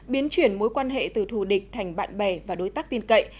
biến chuyển mối quan hệ từ thù địch thành bạn bè và đối tác tin cậy